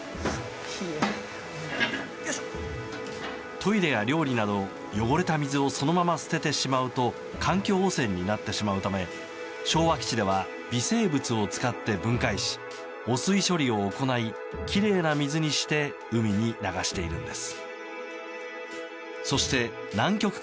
トイレや料理など汚れた水をそのまま捨ててしまうと環境汚染になってしまうため昭和基地では微生物を使って分解し汚水処理を行いきれいな水にして海に流しているのです。